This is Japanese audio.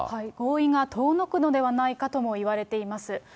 合意が遠のくのではないかといわれています。